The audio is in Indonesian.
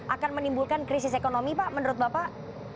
akan menimbulkan krisis ekonomi pak menurut bapak